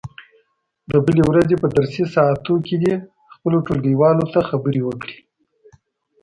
د بلې ورځې په درسي ساعت کې دې خپلو ټولګیوالو ته خبرې وکړي.